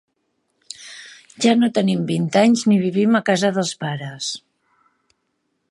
Ja no tenim vint anys ni vivim a casa dels pares.